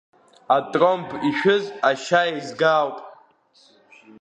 Атромб ишәыз ашьа еизга ауп.